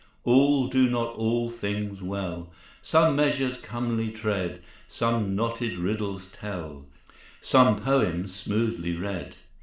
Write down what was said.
All do not all things well; Some measures comely tread, Some knotted riddles tell, Some poems smoothly read.